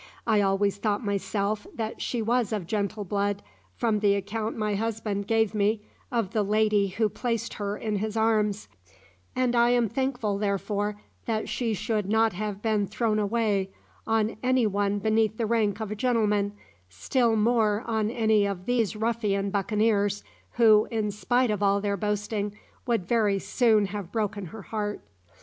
I always thought myself that she was of gentle blood, from the account my husband gave me of the lady who placed her in his arms, and I am thankful therefore that she should not have been thrown away on any one beneath the rank of a gentleman, still more on any of these ruffian buccaneers, who, in spite of all their boasting, would very soon have broken her heart.